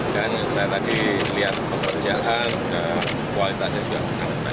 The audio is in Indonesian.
dan saya tadi lihat pekerjaan dan kualitasnya juga sangat baik